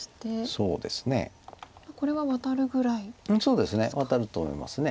そうですねワタると思います。